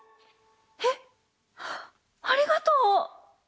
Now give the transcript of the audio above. えっありがとう！